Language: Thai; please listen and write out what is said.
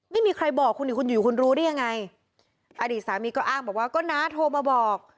ไม่มีใครบอกคุณอยู่คุณรู้ได้ยังไงอดีตสามีก็อ้างบอกว่าก็น้าโทรมาบอก